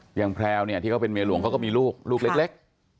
เนี่ยเที้ยงแพ้วที่เขาเป็นเมล่าหลวงเท่ามันก็มีลูกเร็ก